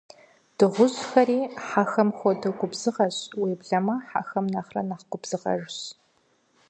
Дыгъужьхэри, хьэхэм хуэдэу, губзыгъэщ, уеблэмэ хьэхэм нэхърэ нэхъ губзыгъэщ.